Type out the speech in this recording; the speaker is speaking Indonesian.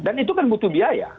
dan itu kan butuh biaya